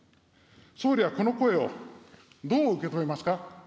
総理はこの声をどう受け止めますか。